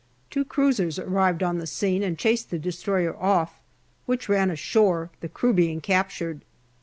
Two cruisers arrived on the scene and chased the destroyer off, which ran ashore, the crew being captured.